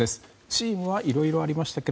チームはいろいろありましたが